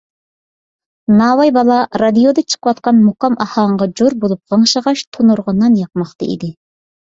ناۋاي بالا رادىيودا چىقىۋاتقان مۇقام ئاھاڭىغا جور بولۇپ غىڭشىغاچ تونۇرغا نان ياقماقتا ئىدى.